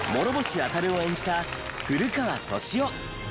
たるを演じた古川登志夫。